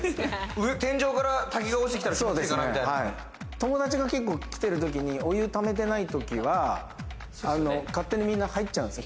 友達が来てるときにお湯ためてないときは、勝手に皆入っちゃうんです。